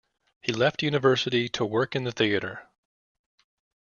He left university to work in the theater.